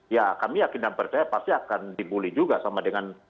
ya kami yakin dan percaya pasti akan dibully juga sama dengan